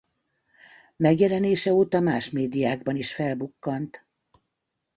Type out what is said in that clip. Megjelenése óta más médiákban is felbukkant.